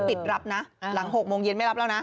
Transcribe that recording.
ปิดรับนะหลัง๖โมงเย็นไม่รับแล้วนะ